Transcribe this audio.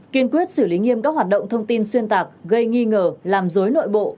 kiên quyết xử lý nghiêm các hoạt động thông tin xuyên tạc gây nghi ngờ làm dối nội bộ